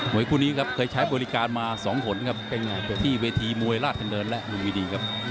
มวยคู่นี้เคยใช้บริการมา๒หนตนครับที่เวทีมวยราชเหนินและวิโนมีดีครับ